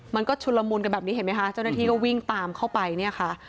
มันก็ชุระมุนกันแบบนี้เห็นมั้ยค่ะเจ้านัยทีก็วิ่งตามเข้าไปเนี่ยค่ะ